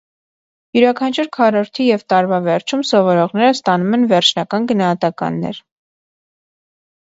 Յուրաքանչյուր քառորդի և տարվա վերջում սովորողները ստանում են վերջնական գնահատականներ։